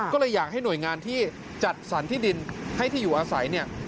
ก็เลยอยากให้หน่วยงานที่จัดสรรที่ดินให้ที่อยู่อาศัยเนี่ย